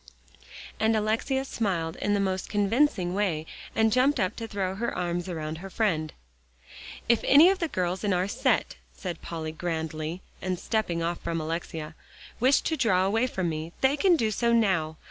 And Alexia smiled in the most convincing way and jumped up to throw her arms around her friend. "If any of the girls in our set," said Polly grandly, and stepping off from Alexia, "wish to draw away from me, they can do so now.